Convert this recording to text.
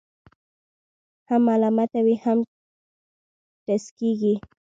هم ملامته وي، هم ټسکېږي.